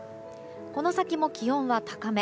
この先も気温は高め。